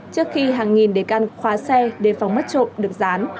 trước khi hàng nghìn đề can khóa xe để phòng mất trộm được gián